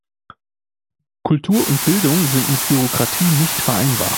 Kultur und Bildung sind mit Bürokratie nicht vereinbar.